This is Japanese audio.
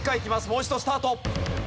もう一度スタート。